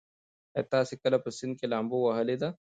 ایا تاسي کله په سیند کې لامبو وهلې ده؟